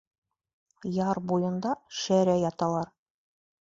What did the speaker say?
Яр буйында шәрә яталар.